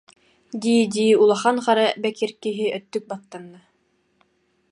дии-дии улахан хара бэкир киһи өттүк баттанна